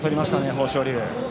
豊昇龍。